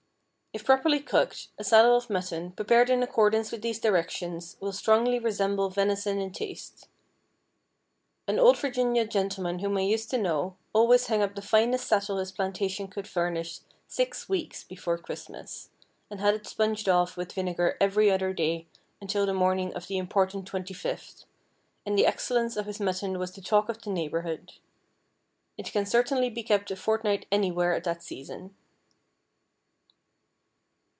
If properly cooked, a saddle of mutton, prepared in accordance with these directions, will strongly resemble venison in taste. An old Virginia gentleman whom I used to know, always hung up the finest saddle his plantation could furnish six weeks before Christmas, and had it sponged off with vinegar every other day, until the morning of the important 25th; and the excellence of his mutton was the talk of the neighborhood. It can certainly be kept a fortnight anywhere at that season.